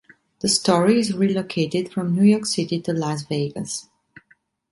The story is relocated from New York City to Las Vegas.